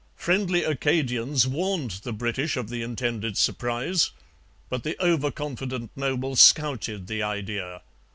Friendly Acadians warned the British of the intended surprise; but the over confident Noble scouted the idea.